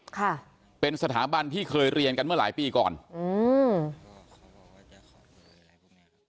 ค่ะเป็นสถาบันที่เคยเรียนกันเมื่อหลายปีก่อนอืม